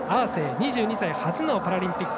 ２２歳、初のパラリンピック。